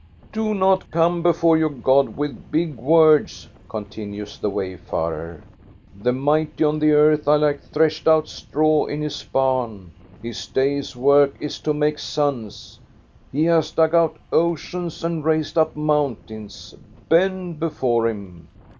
" Do not come before your God with big words!" continues the wayfarer. " The mighty on the earth are like threshed out straw in his barn. His day's work is to make suns. He has dug out oceans and raised up mountains. Bend before him